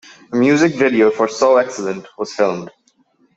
A music video for "So Excellent" was filmed.